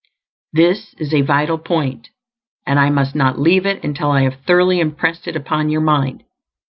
This is a vital point, and I must not leave it until I have thoroughly impressed it upon your mind.